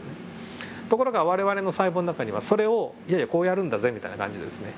ところが我々の細胞の中にはそれをいやいやこうやるんだぜみたいな感じでですね